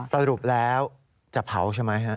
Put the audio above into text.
สรุปแล้วจะเผาใช่ไหมฮะ